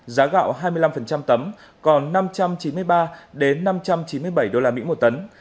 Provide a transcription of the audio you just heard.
giá gạo hai mươi năm tấm còn năm trăm chín mươi ba năm trăm chín mươi bảy usd một tấn